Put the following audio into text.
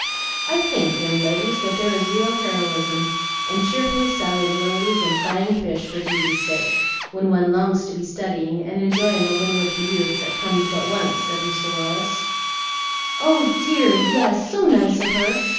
I think, young ladies, that there is real heroism in cheerfully selling lilies and frying fish for duty's sake when one longs to be studying, and enjoying a little of the youth that comes but once," said Mr. Wallace. "Oh dear, yes, so nice of her!